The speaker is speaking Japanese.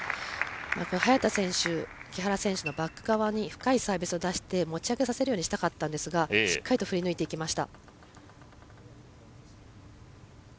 早田選手、木原選手のバック側に深いサービスを出して持ち上げさせるようにしたかったんですがしっかりと振り抜いていきました。